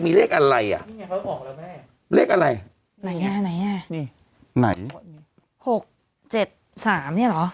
มีเลขอะไรอ่ะเลขอะไรไหนอ่ะไหนอ่ะนี่ไหนหกเจ็ดสามเนี้ยเหรอ